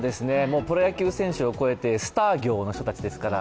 プロ野球選手を超えてスター業の形ですから。